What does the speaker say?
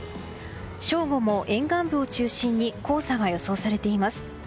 正午も沿岸部を中心に黄砂が予想されています。